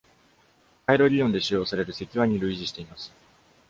回路理論で使用される積和に類似しています。